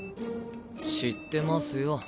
知ってますよ。